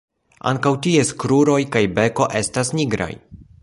Ankaŭ ties kruroj kaj beko estas nigraj.